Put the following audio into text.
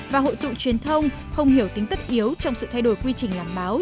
và hội tụ truyền thông không hiểu tính tất yếu trong sự thay đổi quy trình làm báo